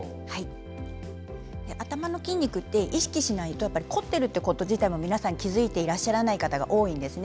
頭の筋肉って意識しないと凝ってること自体にも皆さん気付いていらっしゃらない方が多いんです。